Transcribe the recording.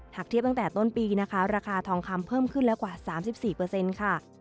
เทียบตั้งแต่ต้นปีนะคะราคาทองคำเพิ่มขึ้นแล้วกว่า๓๔ค่ะ